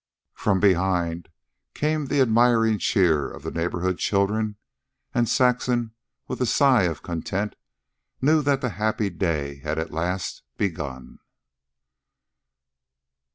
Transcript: From behind came the admiring cheer of the neighborhood children, and Saxon, with a sigh of content, knew that the happy day had at last begun.